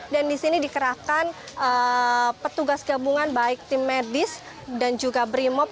dan di sini dikerahkan petugas gabungan baik tim medis dan juga brimop